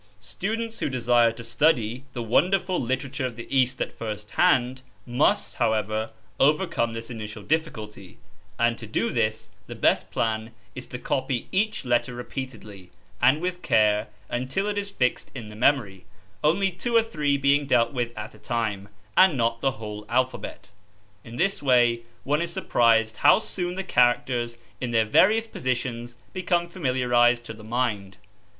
Students who desire to study the wonderful literature of the East at first hand, must, however, overcome this initial difficulty, and to do this the best plan is to copy each letter repeatedly, and with care, until it is fixed in the memory, only two or three being dealt with at a time, and not the whole alphabet. In this way one is surprised how soon the characters in their various positions become familiarized to the mind.